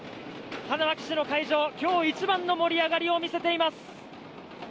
花巻市の会場、今日一番の盛り上がりを見せています！